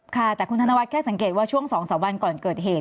ค่ะแต่คุณธนวัฒแค่สังเกตว่าช่วง๒๓วันก่อนเกิดเหตุ